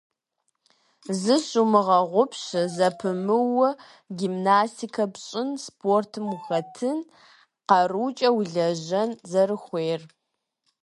Зыщумыгъэгъупщэ зэпымыууэ гимнастикэ пщӀын, спортым ухэтын, къарукӀэ улэжьэн зэрыхуейр.